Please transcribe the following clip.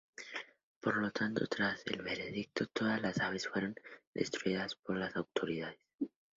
Por lo tanto, tras el veredicto, todas las aves fueron destruidas por las autoridades.